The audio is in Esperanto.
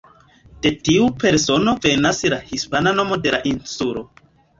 De tiu persono venas la hispana nomo de la insulo.